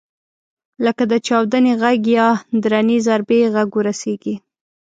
لکه د چاودنې غږ یا درنې ضربې غږ ورسېږي.